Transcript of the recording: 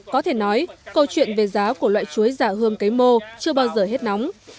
có thể nói câu chuyện về giá của loại chuối giả hương cây mô chưa bao giờ hết nóng